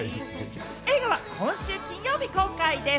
映画は今週金曜日公開です。